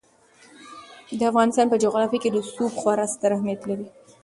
د افغانستان په جغرافیه کې رسوب خورا ستر اهمیت لري.